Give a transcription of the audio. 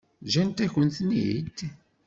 Ǧǧan-akent-ten-id?